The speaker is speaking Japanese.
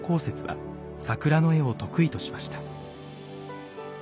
雪は桜の絵を得意としました。